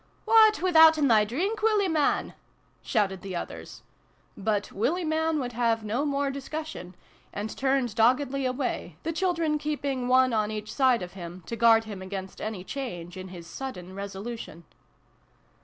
What, withouten thy drink, Willie man ?" shouted the others. But ' Willie man ' would have no more discussion, and turned doggedly away, the children keeping one on each side of him, to guard him against any change in his sudden resolution.